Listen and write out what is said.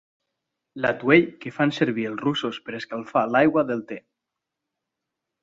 L'atuell que fan servir els russos per escalfar l'aigua del te.